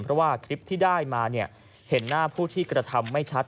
เพราะว่าคลิปที่ได้มาเห็นหน้าผู้ที่กระทำไม่ชัด